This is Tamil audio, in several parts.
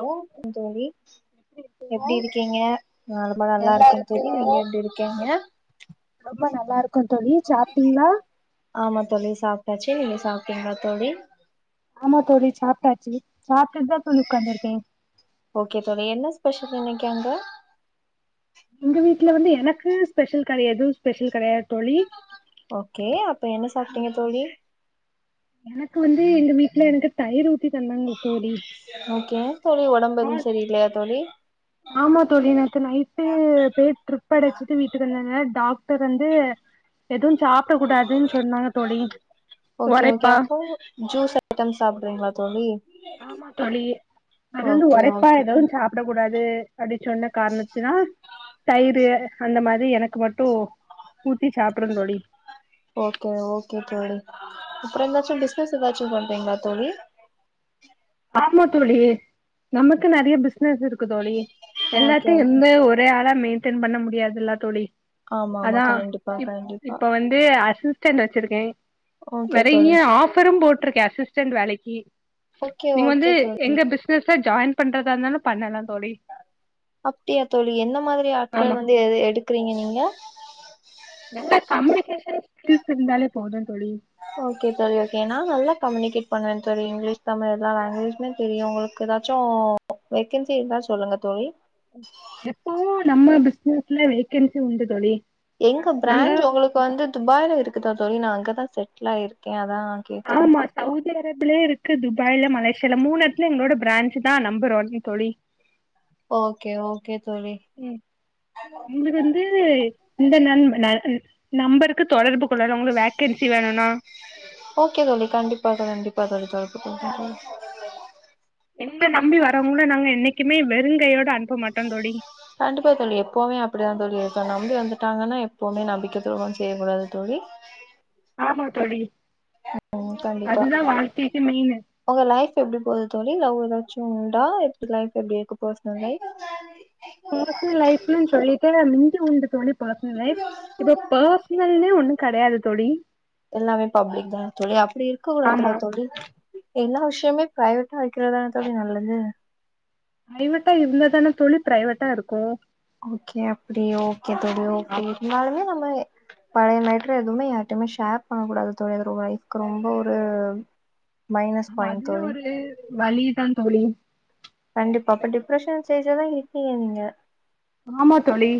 அலோஞ்சோழி எப்டி இருக்கீங்க நா ரொம்ப நல்லா இருக்கே தோழி நீங்க எப்டி இருக்கீங்க ரொம்ப நல்லாரு ஆமா தோழி சாப்ட்டாச்சு நீங்க சாப்ட்டீங்களா தோழி ஆமா தோழி சாப்ட்டாச்சு சாப்டுட்டுதா தோழி உக்காந்துருக்கே ஓகே தோழி என்ன ஸ்பெஷல் இன்னைக்கு அங்க எங்க வீட்டுல வந்து எனக்கு ஸ்பெஷல் கடையாது ஸ்பெஷல் கடையாது தோழி ஓகே அப்ப என்ன சாப்டீங்க தோழி எனக்கு வந்து எங்க வீட்ல எனக்கு தயிர் ஊத்தி தந்தாங் ஓக்கே ஏ தோழி ஒடம்பு எது சரி இல்லையா தோழி ஆமா தோழி நேத்து நைட்டு பேர்ட்ரிப் அடிச்சிட்டு வீட்டுக்கு வந்தாங்க டாக்டர் வந்து எதும் சாப்ட கூடாதுன் சொன்னாங்க தோழி ஒரைப்பா ஃபுல் ஜுஸா ஐட்டம் சாப்ட்றீங்களா தோழி ஆமா தோழி அது வந்து ஓகே உரைப்பா ஓகே எதுவு சாப்ட கூடாது அப்டி சொன்ன காரணத்தினா தயிரு அந்த மாரி எனக்கு மட்டு ஊத்தி சாப்டன் தோழி ஓக்கேக ஓக்கே தோழி அப்றோ எந்தாச்சு பிஸ்னஸ் எதாச்சு பண்றீங்களா தோழி ஆமா தோழி நமக்கு நறைய பிஸ்னஸ் இருக்கு தோழி ஓகே எல்லாத்தையு ஓகே எந்த ஒரே ஆளா மெயின்டெய்ன் பண்ண முடியாதுல்ல தோழி ஆமா ஆமா அதா கண்டிப்பா இப் கண்டிப்பா இப்ப வந்து அசிஸ் ஸ்டன்ட் வெச்சிருக்கே ஓகே தோழி நெறையா ஆஃபரு போட்ருக்கே அசிஸ்டன்ட் வேலைக்கு ஓகே நீங்க வந்து ஓகே தோழி எங்க பிசினஸ்ல ஜாயின் பண்றதா இருந்தாலு பண்ணலா தோழி அப்டியா தோழி என்ன மாதிரி ஆட்கள் ஆமா வந்து எ எடுக்குறீங்க நீங்க நல்ல கம்யூனிகேஷன் ஸ்கில்ஸ் இருந்தாலே போது தோழி ஓக்கே தோழி ஓக்கே நா நல்ல கம்யுனிகேட் பண்ணுவ தோழி இங்கிலிஷ் தமிழ் எல்லா லாங்குவேஜ்மே தெரியு உங்களு கெதாச்சு வேக்கென்சி இருந்தா சொல்லுங்க தோழி எப்பவு நம்ம பிஸ்னஸ்ல வேக்கென்சி உண்டு தோழி எங்க நாங்க ப்ராஞ்ச் உங்களுக்கு வந்து துபாய்ல இருக்குதா தோழி நா அங்கதா செட்லாயிருக்கே அதா கேக்குறே ஆமா சவுதி அரேபிலே இருக்குது துபாய்ல மலேசியால மூணு எடத்துல எங்களோட ப்ராஞ்சு தா நம்பர் ஒன் தோழி ஓக்கே ஓக்கே தோழி ம் இது வந்து இந்த ந நா நம்பருக்கு தொடர்பு கொள்ளலா உங்களு வேக்கன்சி வேணுனா ஓகே தோழி கண்டிப்பாக கண்டிப்பாக தோழி ம் ம் ம் என்ன நம்பி வர்றவங்கள நாங்க என்னைக்குமே வெறுங்கையோட அனுப்ப மாட்டோம் தோழி கண்டிப்பா தோழி எப்பவுமே அப்படிதான் தோழி இருக்கனும் நம்பி வந்துட்டாங்கன்னா எப்பவுமே நம்பிக்கை துரோகம் செய்யக்கூடாது தோழி ஆமா தோழி உம் கண்டிப்பா அதுதா வாழ்க்கைக்கு மெயினு உங்க லைஃப் எப்படி போகுது தோழி லவ் ஏதாச்சும் உண்டா எப்படி லைஃப் எப்படி இருக்கு பெர்சனல் லைஃப் பர்சனல் லைஃப்லன்னு சொல்லிக்க முந்தி உண்டு தோழி பர்சனல் லைஃப் இப்ப பர்சனல்னே ஒண்ணும் கிடையாது தோழி எல்லாமே பப்ளிக் தான் தோழி அப்படி இருக்கு கூடதுல ஆமா தோழி எல்லா விஷயமே பிரைவேட்டா வைக்கிறது தான தோழி நல்லது பிரைவேட்டா இருந்த தான தோழி பிரைவேட்டா இருக்கும் ஓகே அப்டியா ஓகே தோழி ஓகே ஆமா இருந்தாலுமே நம்ம பழைய லைஃப்ல எதுவுமே யாருட்டையுமே ஷேர் பண்ணக்கூடாது தோழி அது ஒரு லைக் ரொம்ப ஒரு மைனஸ் பாய்ண்ட் தோழி வலி தான் தோழி கண்டிப்பா அப்ப டிப்ரெஷன் ஸ்டேஜ்ல தான் இருக்கீங்க நீங்க ஆமா தோழி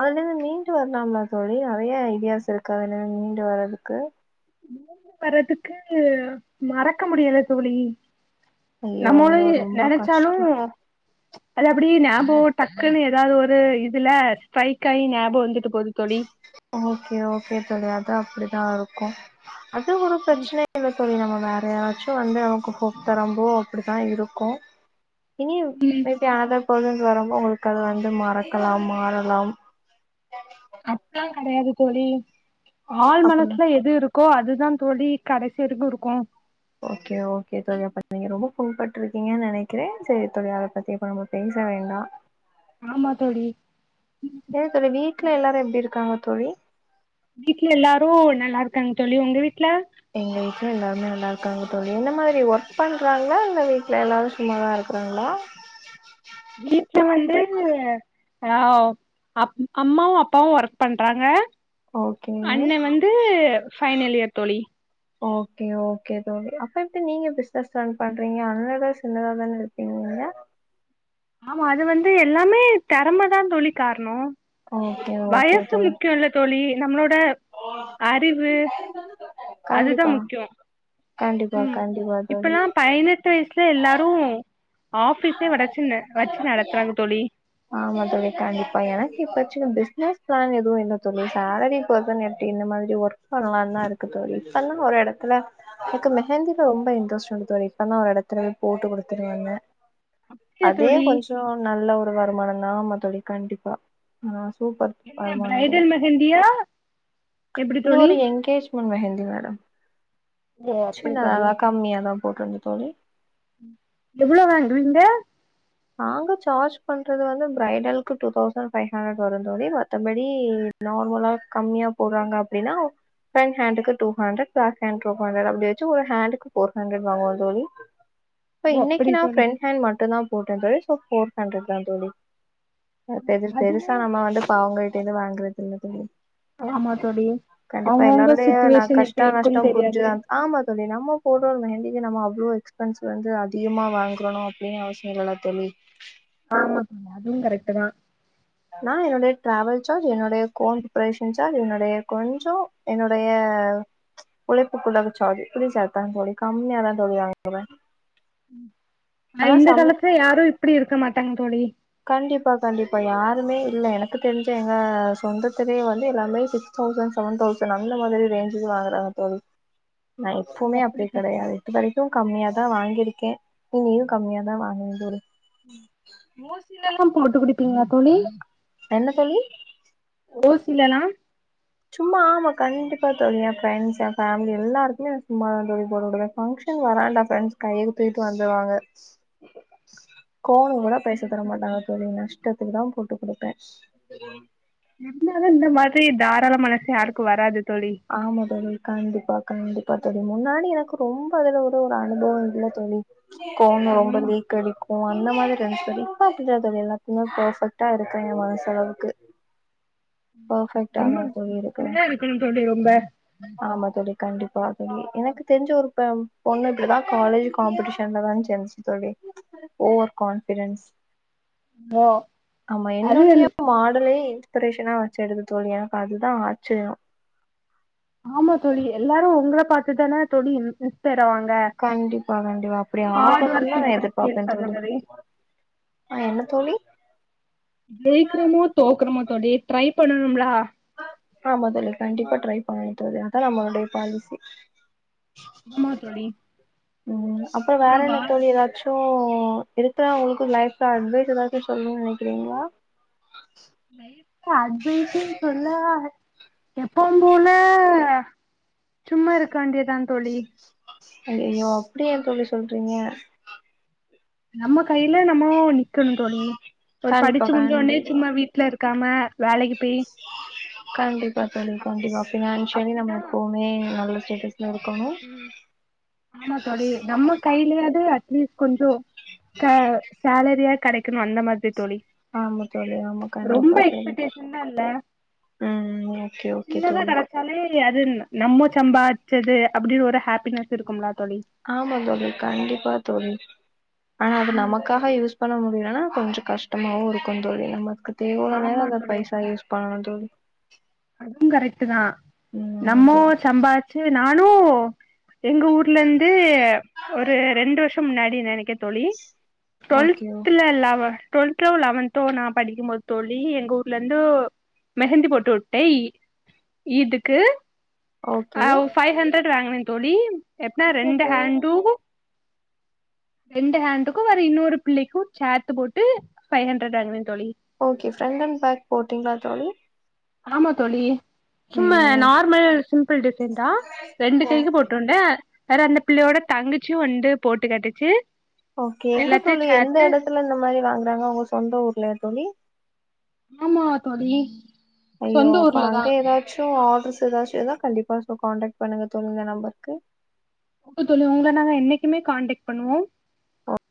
அதுல இருந்து மீண்டு வரலாம்லா தோழி நறைய ஐடியாஸ் இருக்கு அதுலேந்து மீண்டு வர்றதுக்கு மீண்டு வர்றதுக்கு மறக்க முடியல தோழி ஐயோ நம்மோண்ணு ஐயோ ரொம்ப கஷ்டோ நினைச்சாலும் அது அப்படியே நியாபகம் டக்குன்னு ஏதாவது ஒரு இதுல ஸ்ட்ரைக் ஆகி நியாபகம் வந்துட்டு போகுது தோழி ஓகே ஓகே தோழி அது அப்படிதான் இருக்கும் அது ஒரு மிஸ்லா பிரச்சனை இல்ல தோழி நம்ம வேற யாராச்சும் வந்து நமக்கு போக்கு தரொம்போ அப்படிதான் இருக்கும் இனி இப்ப யாராவது பெர்சன்ஸ் வரும்போது உங்களுக்கு அது வந்து மறக்கலாம் மாறலாம் ஆ சரி அப்டிலாம் கிடையாது தோழி ஆழ் அப்பன்னா மனசுல எது இருக் கோ அதுதான் தோழி கடைசி வரைக்கும் இருக்கும் ஓகே ஓகே தோழி அப்ப நீங்க ரொம்ப புண்பட்டுருக்கீங்கன்னு நினைக்கிறேன் சரி தோழி அதை பற்றி இப்போ நம்ம பேச வேண்டாம் [unintelligible] [inaudible] ஆமா தோழி ஏன் தோழி வீட்ல எல்லாரும் எப்டி இருக்காங்க தோழி வீட்ல எல்லாரும் நல்லா இருக்காங்க தோழி உங்க வீட்ல எங்க வீட்ல எல்லாருமே நல்லா இருக்காங்க தோழி எந்த மாதிரி ஒர்க் பண்றாங்களா இல்ல வீட்ல எல்லாரும் சும்மாதான் இருக் காங்களா வீட்ல வந்து அ அப் அம்மாவும் அப்பாவும் ஒர்க் பண்றாங்க ஓகேங்க. அண்னே வந்து ஃபைனல் இயர் தோழி ஓகே ஓகே தோழி அப்ப எப்படி நீங்க பிசினெஸ் ரன் பண்றீங்க அண்ணாதா சின்னதா தானே இருக் ப்பீங்களா ஆமா அது வந்து எல்லாமே தறமைதான் தோழி காரணம் ஓகே, ஓகே வயசு தோழி. முக்கியம் இல்லத் தோழி நம்மளோட அறிவு கண்டிப்பா, அதுதான் முக்கியம் கண்டிப்பா கண்டிப்பா தோழி பதினெட்டு வயசுல எல்லாரு ஆபிஸே வடச்சென்ன வச்சு நடத்துறாங்க தோழி ஆமா தோழி கண்டிப்பா எனக்கு இப்ப சின்ன பிசினஸ் பிளான் எதுவு இல்ல தோழி சேலரி பர்சன் இந்த மாதிரி ஒர்க் பண்ணலான் தா இருக்கு தோழி இப்பல்லா ஒரு எடத்துல எனக்கு மெஹந்தீல ரொம்ப இன்ட்ரெஸ்ட் உண்டு தோழி இப்பனா ஒரு எடத்துல போட்டு குடுத்துட்டு வந்த இல்ல அதே தோழி கொஞ்சோ நல்ல ஒரு வருமானந் தா ஆமா தோழி கண்டிப்பா ஆ சூப்பர் என்ன வருமானோ அதுல பிரைடல் மெஹந்தியா எப்டி இது தோழி ஒரு என்கேஜ் [unintelligible] மெஹந்தி மேடம் ஓ அப்டி சின்னத தோழி தா கம்மியாதா போட்டுருந்த தோழி எவ்ளோ வாங்குவீங்க நாங்க சார்ஜ் பண்றது வந்து ஃபிரைடலுக்கு டூ தௌசண்ட் ஃபைவ் ஹண்ட்ரட் வரு தோழி மத்தபடி நார்மலா கம்மியா போட்றாங்க அப்டின்னா பிரண்ட் ஹான்ட்டுக்கு டூ ஹாண்ரட் பேக் ஹேன்ட்க்கு டூ ஹண்ரட் அப்டிவெச்சி ஒரு ஹாண்டுக்கு போர் ஹண்ட்ரட் வாங்குவோ தோழி சோ ஓ இன்னக்கி அப்டி நா தோழி பிராண்ட் ஹேண்ட் மட்டுந்தா போட்ட தோழி ஷோ போர் ஹண்ரட் தா தோழி பெருசு அதுவே பெருசா நம்ம வந்து ப அவுங்ககிட்ட இருந்து வாங்குறது இல்ல தோழி ஆமா தோழி கண்டிப்பா அவங்கவுங்க எல்லாருடைய நா சுச்சுவேஷன் கஷ்ட எப்டி நஷ்டோ இருக்குன்னு தெரியாது புரிஞ்சிதா ஆமா தோழி நம்ம போட்ற ஒரு மெஹந்திக்கி நம்ம அவ்ளோ எக்ஸ்பென்ஸ் வந்து அதிகமா வாங்கறணு அப்டின்னு அவசியோ இல்லல்ல தோழி ஆமா தோழி அதுவு கரெக்ட்டு தா நா என்னுடைய டிராவல் சார்ஜ் என்னுடைய கோன் ப்ரிபரேஷன் சார்ஜ் என்னுடைய கொஞ்சோ என்னுடைய உழைப்புக்கு உள்ள சார்ஜ் [unintelligible] கம்மியா தா தோழி வாங்குவே ஆ இந்த காலத்துல யாரு இப்பிடி இருக்க மாட்டாங்க தோழி கண்டிப்பா கண்டிப்பா யாருமே இல்ல எனக்கு தெரிஞ்ச எங்க சொந்தத்திலயே வந்து எல்லாமே சிக்ஸ் தௌசண்ட் செவன் தௌசண்ட் அந்த மாதிரி ரேஞ்சிக்கி வாங்கறாங்க தோழி நா எப்பவுமே அப்டி கெடையாது இது வரைக்கு கம்மியா தா வாங்கியிருக்கே இனியு கம்மியா தா வாங்குவ தோழி ஓசிலலெல்லா போட்டு குடுப்பீங்ளா தோழி என்ன தோழி ஓசில எல்லா சும்மா ஆமா கண்எ டிப்பா தோழி எ ஃப்ரெண்ட்ஸ் ஃபேமிலி எல்லாருக்குமே நா சும்மாவே தா தோழி போட்டு வுடுவே பங்க்ஷன் வராண்டா ப்ரெண்ட்ஸ் கைய தூக்கிட்டு வந்துருவாங்க ஓ கோணுக் கூட பைச அப்டியா தர மாட்டாங்க தோழி நஷ் ட்டத்துக்கு தா போட்டு குடுப்பே இருந்தாலு இந்த மாதிரி தாராள மனசு யாருக்கு வராது தோழி ஆமா தோழி கண்டிப்பா கண்டிப்பா தோழி முன்னாடி எனக்கு ரொம்ப அதுல ஒரு ஒரு அனுபவோ இல்ல தோழி கோன்னு ரொம்ப ம் லீக் கடிக்கு அந்த மாரி இருஞ்ச்சி தோழி இப்ப அப்டியெது இல்ல எல்லாத்திலியு பர்ஃபெக்டா இருக்கு என் மனசு அளவுக்கு ரொம்ப தோழி இருக்குறே இப்பிடிதா இருக்கணு தோழி ரொம்ப ஆமா தோழி கண்டிப்பா தோழி எனக்கு தெரிஞ்சி ஒருத்த ஒண்ணுக்குதா காலேஜ் காம்பிடேஷன்ல தா சேந்துச்சி தோழி ஓவர் கான்பிடன்ஸ் ஆமா அது என்னுடைய மாட் இவளே இன்ஸ்பிரேஷனா வெச்சி இருந்தே தோழி எனக்கு அதுதா ஆச்சரயோ ஆமா தோழி எல்லாரு உங்கள பாத்துதான தோழி இன்ஸ் ஃபயராவாங்க கண்டிப்பா கண்டிப்பா அப்டி ஆகணுன் தா நா நெவர் எதிர்பாப்பே ஃபெயில்ஸ் அந்த தோழி மாரி ஆ என்ன தோழி ஜெயிக்றோமோ தோக்குறமோ தோழி ட்ரை பண்ணனும்லோ ஆமா தோழி கண்டிப்பா ட்ரை பண்ணணு தோழி அதா நம்மளுடைய பாலிசி ஆமா தோழி ம் அப்புறோ வேற அப்றோ வா என்ன தோழி எதாச்சு தோ இருக்கிற உங்களுக்கு லைஃப்ல அட்வைஸ் எதாவ்து சொல்னு நினைக்கிறீங்களா அட்வைஸ்ன்னு சொல்லே எப்பவு போல சும்மா இருக்க வேண்டியதா தோழி ஐயையோ அப்டியா தோழி சொல்றீங்க நம்ம கையில நம்மோ நிக்கணு தோழி ஒரு கண்டிப்பா படுச்சி முடுஞ்சோனே கண்டிப்பா சும்ம வீட்ல இருக்காம வேலைக்கி பேயி கண்டிப்பா தோழி கண்டிப்பா பினான்சியலி நம்ம அப்டிதா எப்பவுமே நல்ல ஸ்டேட்டஸ் ல ருக்கனோ ஆமா தோழி நம்ம கைலியாது அட்லீஸ் கொஞ்சோ க சேலரியா கெடைக்கணு அந்த மாதிரி தோழி ஆமா தோழி ஆமா ரொம்ப கண்டிப்பா தோழி எக்ஸ்பெக்டேஷன்லா இல்ல ம் ம் ஓகே ஓகே தோழி தலை அது நம்ம சம்பாச்சது அப்டினு ஒரு ஹாப்பினஸ் இருக்கும்லா தோழி ஆமா தோழி கண்டிப்பா தோழி ஆனா அது ம் நமக்காக யூஸ் பண்ண முடியலனா கொஞ்சோ கஷ்டமாவு இருக்கோ தோழி நமக்கு தேவ வுல்லநேரோ ஆமா அந்த தோழி பைசா யூஸ் பண்ணணோ தோழி அதுவு கரெக்ட்டு தா ம். ஆமா நம்மோ தோழி. சம்பார் ரிச்சு நானோ எங்க ஊர்ல இருந்து ஒரு ரெண்டு வருஷ முன்னாடி நெனைக்க தொழி ஓகே, ஓ டுவெல்த்ல லவ ட்வெல்த்தோ லெவன்த்தோ நா படிக்கும் போது தோழி எங்க ஊர்லருந்து மெஹந்தி போட்டு உடு டேய் இதுக்கு ஓகே. ஆ ஃபைவ் ஹண்ட்ரட் வாங்குனே தோழி எத்ன ஓகே ரெண்டு தோழி. ஹேண்டு [inaudible] ரெண்டு ஹேண்டுக்கு வேற இன்னொரு பிள்ளைக்கு சேத்து போட்டு ஃபை ஹண்ட்ரட் வாங்கினே தோழி ஓகே ஃப்ரண்ட் அண்ட் பேக் போட்டீங்களா தோழி ஆமா தோழி சும்மா ஐயோ! ஓ நார்மல் சிம்பிள் டிசைன்தா ரெண்டு கைக்கு போட் டோன்னே வேற அந்த பிள்ளையோட தங்கச்சு வந்து போட்டு கேட்டுச்சு ஓகே எங்க தோழி எந்த எடத்துல இந்த மாரி வாங்குறாங்க அவ்ங்க சொந்த ஊர்லயா தொழி ஆமா தோழி சொந்த ஊர்ல தா ஜோ ஆர்டர்ஸ் ஏதாச்சு வந்தா கண்டிப்பா காண்டெக்ட் பண்ணுங்க தோழி இந்த நம்பருக்கு ஓகே தோழி உங்கள நாங்க என்னைக்கிமே காண்டெக்ட் பண்ணுவோ [inaudible]